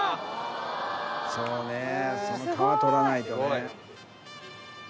そうねその皮取らないとね。